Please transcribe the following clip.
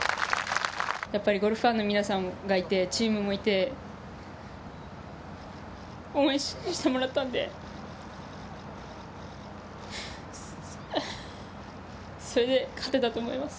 ゴルフファンの皆さんがいて、チームもいて、応援してもらったので、それで勝てたと思います。